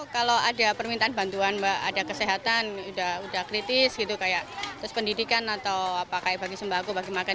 kalau ada permintaan bantuan ada kesehatan sudah kritik